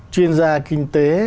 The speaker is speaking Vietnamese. chuyên gia kinh tế